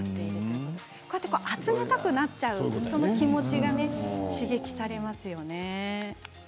こうやって集めたくなっちゃう気持ちが刺激されますよね。